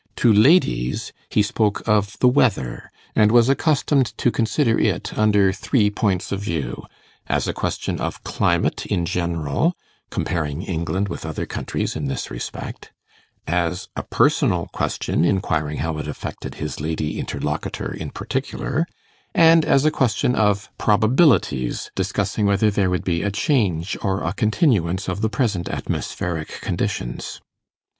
To ladies he spoke of the weather, and was accustomed to consider it under three points of view: as a question of climate in general, comparing England with other countries in this respect; as a personal question, inquiring how it affected his lady interlocutor in particular; and as a question of probabilities, discussing whether there would be a change or a continuance of the present atmospheric conditions.